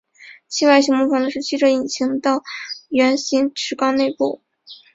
其外形模仿的是汽车引擎的圆形汽缸内部。